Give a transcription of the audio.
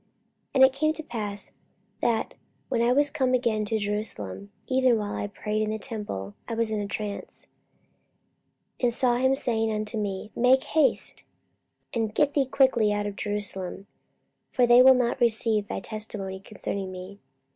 44:022:017 And it came to pass, that, when I was come again to Jerusalem, even while I prayed in the temple, I was in a trance; 44:022:018 And saw him saying unto me, Make haste, and get thee quickly out of Jerusalem: for they will not receive thy testimony concerning me.